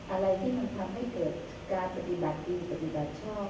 อะไรที่มันทำให้เกิดการปฏิบัติดีปฏิบัติชอบ